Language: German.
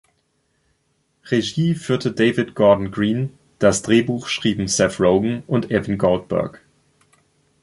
Regie führte David Gordon Green, das Drehbuch schrieben Seth Rogen und Evan Goldberg.